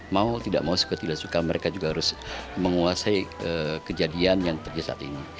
mau tidak mau suka tidak suka mereka juga harus menguasai kejadian yang terjadi saat ini